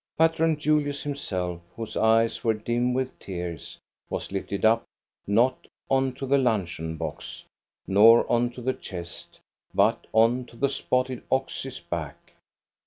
Patron Julius himself, whose eyes were dim with tears, was lifted up, not on to the luncheon box, nor on to the chest, but on to the spotted ox's back.